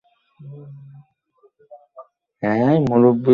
আরে, আমি করেছিটা কী?